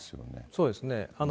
そうですね。